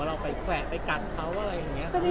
เราไปแคละโกงลง